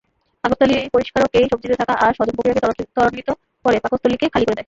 পাকস্থলী পরিষ্কারকএই সবজিতে থাকা আঁশ হজম প্রক্রিয়াকে ত্বরান্বিত করে, পাকস্থলীকে খালি করে দেয়।